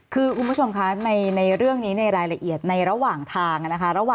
คือคุณผู้ชมคะในเรื่องนี้ในรายละเอียดในระหว่างทางนะคะ